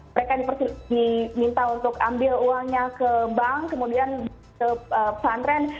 mereka diminta untuk ambil uangnya ke bank kemudian ke pesantren